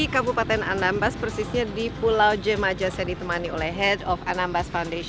kami sudah sampai di jepang atau dubai